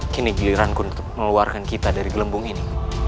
kini giliranku untuk melewarkan kita dari gelembung ini